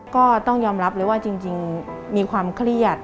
ก็ต้องยอมรับเลยว่าจริงมีความเครียด